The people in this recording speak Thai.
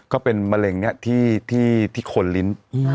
ก็เป็นมะเร็งที่คนลิ้น